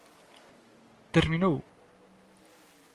¡Terminou!